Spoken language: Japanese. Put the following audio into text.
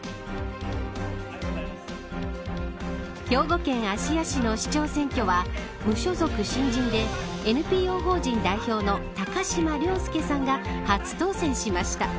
兵庫県、芦屋市の市長選挙は無所属新人で、ＮＰＯ法人代表の高島崚輔さんが初当選しました。